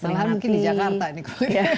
malah mungkin di jakarta nih